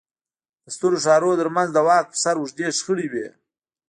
د سترو ښارونو ترمنځ د واک پر سر اوږدې شخړې وې